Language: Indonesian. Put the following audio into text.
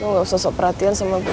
lo gak usah sok perhatian sama gue